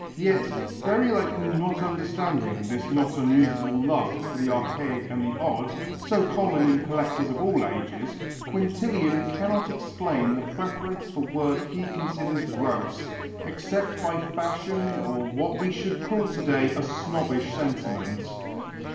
Yet, very likely not understanding this not unusual love for the archaic and the odd, so common in collectors of all ages, Quintilian cannot explain the preference for work he considers gross, except by fashion or what we should call to day a snobbish sentiment.